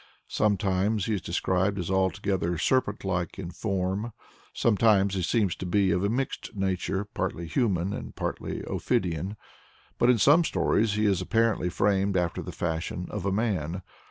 Sometimes he is described as altogether serpent like in form; sometimes he seems to be of a mixed nature, partly human and partly ophidian, but in some of the stories he is apparently framed after the fashion of a man.